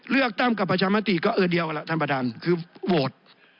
เลือกตั้งกับประชามติก็เออเดียวล่ะท่านประธานคือโหวต